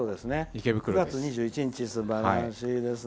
９月２１日です。